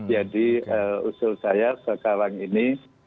jadi usul saya sekarang ini